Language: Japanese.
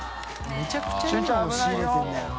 めちゃくちゃいいもの仕入れてるんだよな。